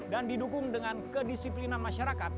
dan didukung dengan kedisiplinan masyarakat